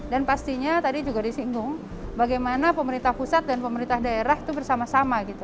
dan pastinya tadi juga disinggung bagaimana pemerintah pusat dan pemerintah daerah itu bersama sama gitu